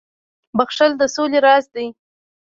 • بخښل د سولي راز دی.